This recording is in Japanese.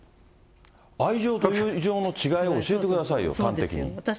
愛情と友情の違いを教えてくださいよ、端的に。